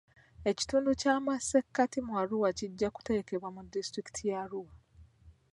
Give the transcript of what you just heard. Ekitundu ky'amasekkati mu Arua kijja kuteekebwa mu disitulikiti ya Arua.